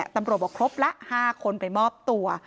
ตำรวจบอกครบละ๕คนไปมอบตัว